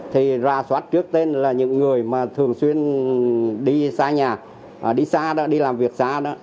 thì ra soát trước tên là những người mà thường xuyên đi xa nhà đi xa đó đi làm việc xa đó